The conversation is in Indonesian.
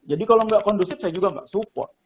jadi kalau enggak kondusif saya juga enggak support